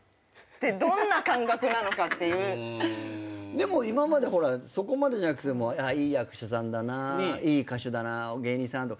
でも今までそこまでじゃなくてもいい役者さんだないい歌手だな芸人さんとか。